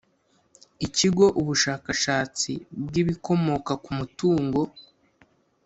Ikigo ubushakashatsi bw’ibikomoka ku matungo